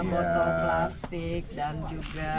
botol plastik dan juga